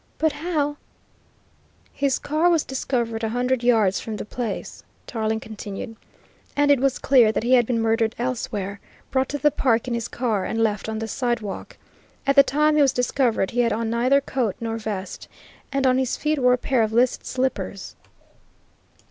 "But how " "His car was discovered a hundred yards from the place," Tarling continued, "and it was clear that he had been murdered elsewhere, brought to the Park in his car, and left on the sidewalk. At the time he was discovered he had on neither coat nor vest, and on his feet were a pair of list slippers."